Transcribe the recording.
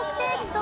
「と」？